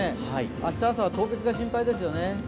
明日朝は凍結が心配ですよね。